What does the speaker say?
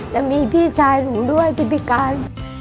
แต่มีพี่ชายหนูด้วยที่พิการ